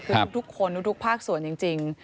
คือทุกคนทุกภาคส่วนจริง